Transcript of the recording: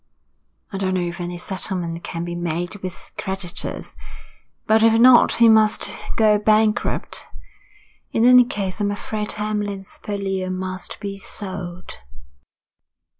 I don't know if any settlement can be made with his creditors, but if not he must go bankrupt. In any case, I'm afraid Hamlyn's Purlieu must be sold.'